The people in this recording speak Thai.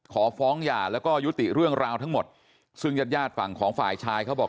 ขอฟ้องหย่าแล้วก็ยุติเรื่องราวทั้งหมดซึ่งญาติญาติฝั่งของฝ่ายชายเขาบอก